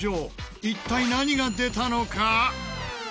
一体何が出たのか？